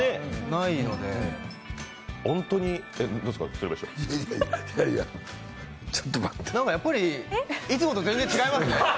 いやいや、ちょっと待ってなんかやっぱりいつもと違いますね！